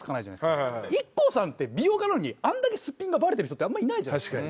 ＩＫＫＯさんって美容家なのにあんだけスッピンがバレてる人ってあんまりいないじゃないですか。